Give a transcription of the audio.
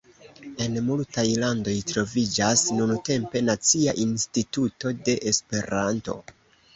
En multaj landoj troviĝas nuntempe nacia instituto de Esperanto.